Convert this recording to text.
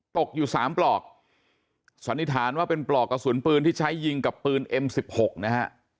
ตกอยู่สามปลอกสันนิษฐานว่าเป็นปลอกกระสุนปืนที่ใช้ยิงกับปืนเอ็มสิบหกนะฮะ